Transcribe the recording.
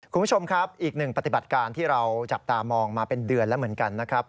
คุณผู้ชมครับอีกหนึ่งปฏิบัติการที่เราจับตามองมาเป็นเดือนแล้วเหมือนกันนะครับ